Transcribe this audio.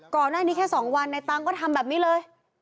ก่อนหน้านี้แค่๒วันในตังค์ก็ทำแบบนี้เลย